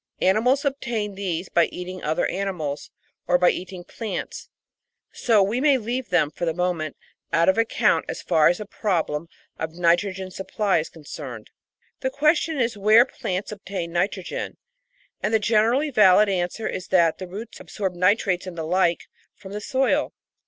Animals obtain these by eating other animals or by eating plants ; so we may leave them, for the moment, out of account as far as the problem of nitrogen supply is concerned. The question is where plants obtain nitrogen, and the generally valid answer is that the roots absorb nitrates and the like from the soil.